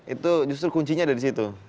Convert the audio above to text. itu justru kuncinya dari situ